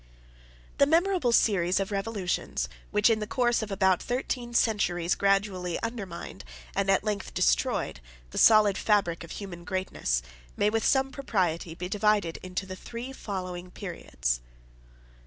] The memorable series of revolutions, which in the course of about thirteen centuries gradually undermined, and at length destroyed, the solid fabric of human greatness, may, with some propriety, be divided into the three following periods: I.